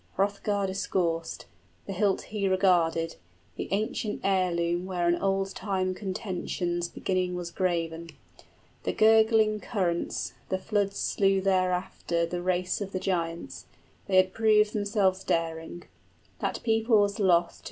} Hrothgar discoursed, the hilt he regarded, The ancient heirloom where an old time contention's Beginning was graven: the gurgling currents, The flood slew thereafter the race of the giants, 40 They had proved themselves daring: that people was loth to {It had belonged to a race hateful to God.